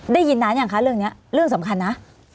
ได้ยินนานยังคะเรื่องนี้เรื่องสำคัญนะ